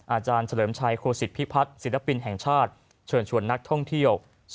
อาจารย์เฉลิมชัยโครสิทธิ์พิพัฒน์ศิลปินแห่งชาติ